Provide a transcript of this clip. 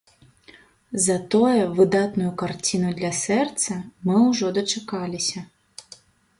Затое выдатную карціну для сэрца мы ўжо дачакаліся.